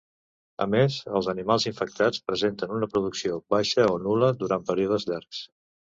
A més, els animals infectats presenten una producció baixa o nul·la durant períodes llargs.